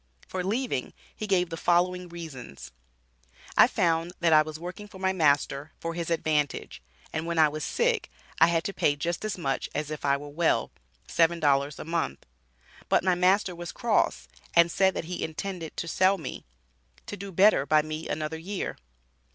For leaving, he gave the following reasons: "I found that I was working for my master, for his advantage, and when I was sick, I had to pay just as much as if I were well $7 a month. But my master was cross, and said that he intended to sell me to do better by me another year.